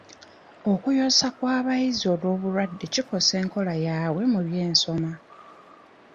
Okuyosa kw'abayizi olw'obulwadde kikosa enkola yaabwe mu byensoma.